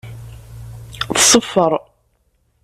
Tṣeffer.